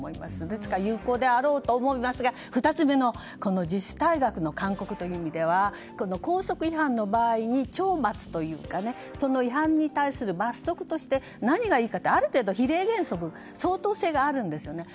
ですから有効であると思いますが２つ目の自主退学の勧告という意味では校則違反の場合に懲罰というか違反に対する罰則として何がいいかある程度、比例原則相当性があるんですね。